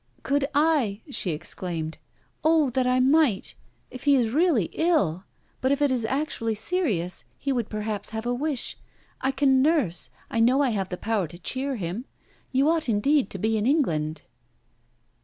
'Could I?' she exclaimed. 'O that I might! If he is really ill! But if it is actually serious he would perhaps have a wish... I can nurse. I know I have the power to cheer him. You ought indeed to be in England.'